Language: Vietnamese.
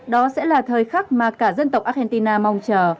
đó sẽ là thời khắc mà cả dân tộc argentina mong chờ